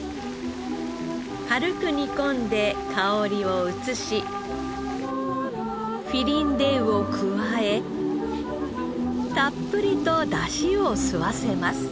軽く煮込んで香りを移しフィリンデウを加えたっぷりと出汁を吸わせます。